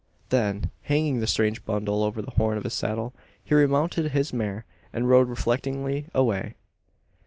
Then, hanging the strange bundle over the horn of his saddle, he remounted his mare, and rode reflectingly away.